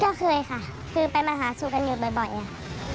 ก็เคยค่ะคือไปมาหาสู่กันอยู่บ่อยค่ะ